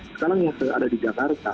sekarang yang ada di jakarta